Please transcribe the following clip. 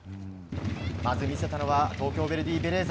まず見せたのは東京ヴェルディベレーザ。